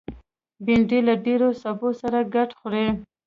بېنډۍ له ډېرو سبو سره ګډ خوري